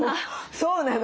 そうなの。